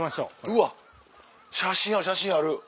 うわ写真ある写真ある。